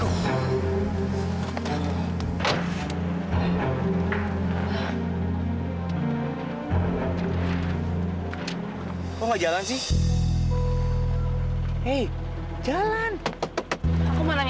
harusnya kalau saya tahu kita akan trzeba kuat kuat berada di rumah saya